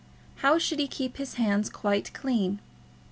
How should he keep his hands quite clean?